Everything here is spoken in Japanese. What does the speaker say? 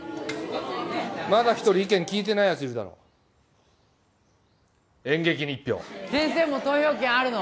まだ１人意見聞いてないヤツいるだろ演劇に１票先生も投票権あるの？